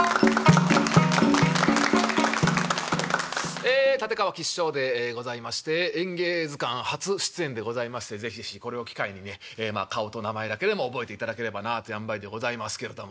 ええ立川吉笑でございまして「演芸図鑑」初出演でございまして是非これを機会にね顔と名前だけでも覚えていただければなあというあんばいでございますけれども。